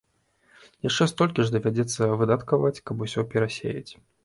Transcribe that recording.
Яшчэ столькі ж давядзецца выдаткаваць, каб усё перасеяць.